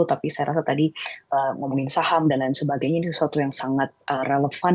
tapi saya rasa tadi ngomongin saham dan lain sebagainya ini sesuatu yang sangat relevan